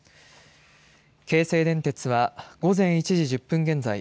京成電鉄は午前１時１０分現在